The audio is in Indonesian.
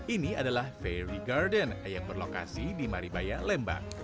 ini adalah ferry garden yang berlokasi di maribaya lembang